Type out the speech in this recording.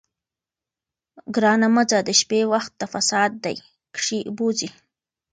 ګرانه مه ګرځه د شپې، وخت د فساد دي کښې بوځې